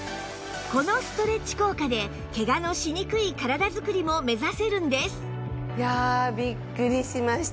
このストレッチ効果でケガのしにくい体づくりも目指せるんです